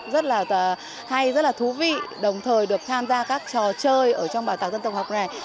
rất là hay rất là thú vị đồng thời được tham gia các trò chơi ở trong bảo tàng dân tộc học này